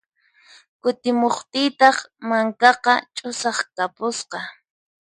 Kutimuqtiytaq mankaqa ch'usaq kapusqa.